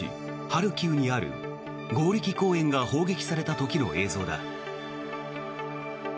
ハルキウにあるゴーリキ公園が砲撃された時の映像だ。